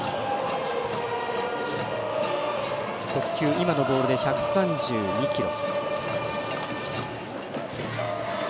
今のボールで１３２キロ。